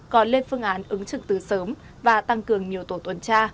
có lên phương án ứng trực từ sớm và tăng cường nhiều tổ tuần tra